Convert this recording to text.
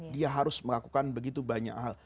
dia harus melakukan begitu banyak hal